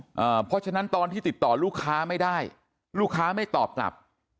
เพราะฉะนั้นตอนที่ติดต่อลูกค้าไม่ได้ลูกค้าไม่ตอบกลับ